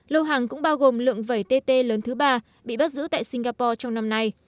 lô hàng cũng bao gồm lượng vẩy tt lớn thứ ba bị bắt giữ tại singapore trong năm nay